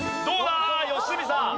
良純さん。